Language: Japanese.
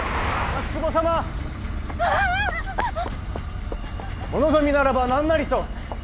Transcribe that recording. お望みならば何なりと。